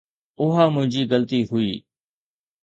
اها منهنجي غلطي هئي.